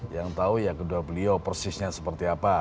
yang tahu ya kedua beliau persisnya seperti apa